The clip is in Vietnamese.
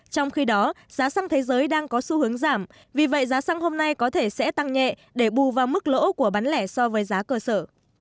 trong khi đó giá xăng thế giới đang có xu hướng giảm vì vậy giá xăng hôm nay có thể sẽ tăng nhẹ để bù vào mức lỗ của bán lẻ so với giá cơ sở